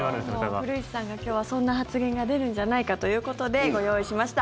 古市さんが今日はそんな発言が出るんじゃないかということでご用意しました。